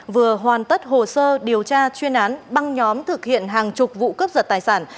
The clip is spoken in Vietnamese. vừa hoàn tất hồ sơ điều tra chuyên án băng nhóm thực hiện hàng chục vụ cướp giật tài sản